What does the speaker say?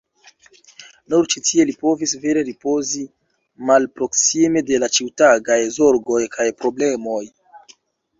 Nur ĉi tie li povis vere ripozi, malproksime de la ĉiutagaj zorgoj kaj problemoj.